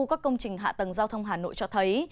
các công trình hạ tầng giao thông hà nội cho thấy